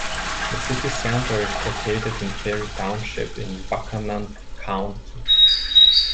The city center is located in Perry Township in Buchanan County.